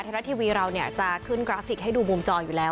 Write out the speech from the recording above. รัฐทีวีเราจะขึ้นกราฟิกให้ดูมุมจออยู่แล้ว